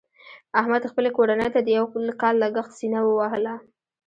احمد خپلې کورنۍ ته د یو کال لګښت سینه ووهله.